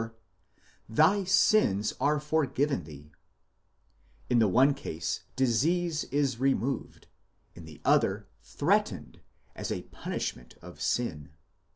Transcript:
ἁμαρτίαι σου, thy sins are forgiven thee: in the one case disease is removed, in the other threatened, as a punishment of sin.